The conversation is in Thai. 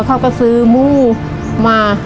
เขาก็ซื้อมูมา